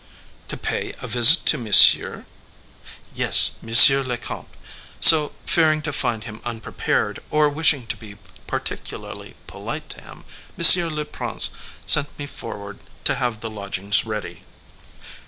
"To pay a visit to Monsieur?" "Yes, monsieur le comte. So, fearing to find him unprepared, or wishing to be particularly polite to him, monsieur le prince sent me forward to have the lodgings ready."